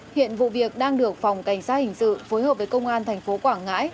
hiện vụ việc đang được phòng cảnh sát hình sự phối hợp với công an thành phố quảng ngãi